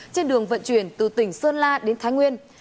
trên đường vận chuyển từ tỉnh sơn la đến thái nguyên